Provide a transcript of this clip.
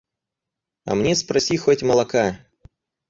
А мне спроси хоть молока.